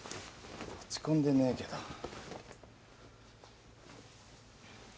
落ち込んでねえけど。